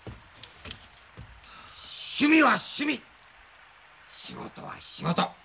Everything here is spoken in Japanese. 趣味は趣味仕事は仕事。